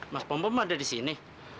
mas pompom ada di sini